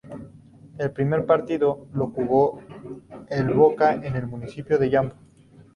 El primer partido lo jugó el Boca en el municipio de Yumbo.